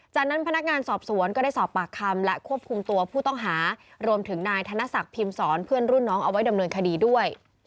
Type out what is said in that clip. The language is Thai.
จากนั้นพนักงานสอบสวนก็ได้สอบปากคำและควบคุมตัวผู้ต้องหารวมถึงนายธนศักดิ์พิมศรเพื่อนรุ่นน้องเอาไว้ดำเนินคดีด้วย